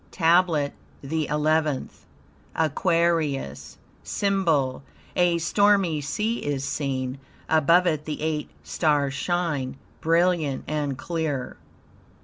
TABLET THE ELEVENTH Aquarius SYMBOL A stormy sea is seen; above it the eight stars shine, brilliant and clear.